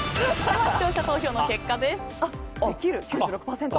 視聴者投票の結果です。